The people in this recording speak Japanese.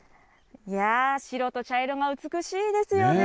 いやぁ、白と茶色が美しいですよね。